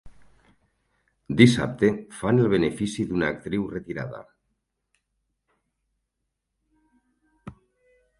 Dissabte fan el benefici d'una actriu retirada.